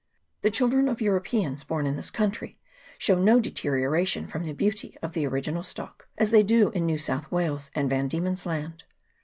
The children of Eu ropeans, born in this country, show no deterioration from the beauty of the original stock, as they do in New South Wales and Van Diemen's Land.